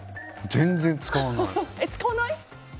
全然使わない。